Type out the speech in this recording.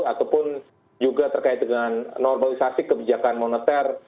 ataupun juga terkait dengan normalisasi kebijakan moneter